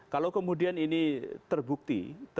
kalau kemudian ini terbukti